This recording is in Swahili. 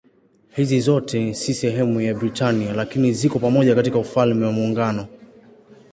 Hizi zote si sehemu ya Britania lakini ziko pamoja katika Ufalme wa Muungano.